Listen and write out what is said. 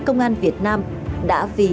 công an việt nam đã vì